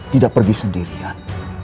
tidak pergi sendirian